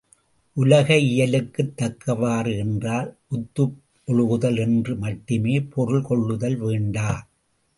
உலக இயலுக்குத் தக்கவாறு என்றால் ஒத்து ஒழுகுதல் என்று மட்டுமே பொருள் கொள்ளுதல் வேண்டா.